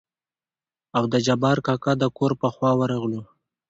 او د جبار کاکا دکور په خوا ورغلو.